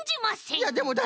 いやでもだって。